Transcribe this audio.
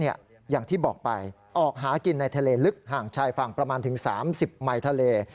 อย่างที่บอกไปออกหากินในทะเลลึกห่างชายฝั่งประมาณถึง๓๐ไมค์ทะเล